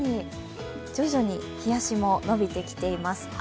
徐々に日ざしも伸びてきています。